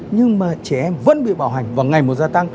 nhưng mà trẻ em vẫn bị bạo hành và ngày một gia tăng